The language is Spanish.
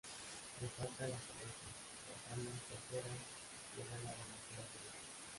Le faltan la cabeza, las alas traseras y el ala delantera derecha.